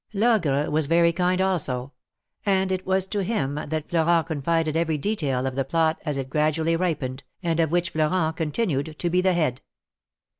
Logre was very kind, also ; and it was to him that Florent confided every detail of the plot as it gradually ripened, and of which Florent continued to be the head.